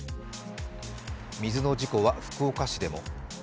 水の事故は福岡市でも。